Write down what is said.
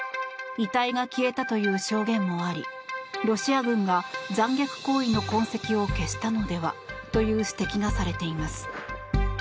遺体が消えたという証言もありロシア軍が残虐行為の痕跡を消したのでは？という指摘がされています。